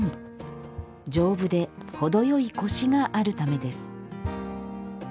丈夫で程よいコシがあるためです